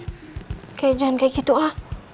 oke jangan kayak gitu ah